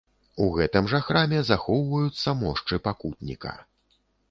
У гэтым жа храме захоўваюцца мошчы пакутніка.